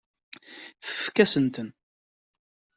Fakken-asen-ten.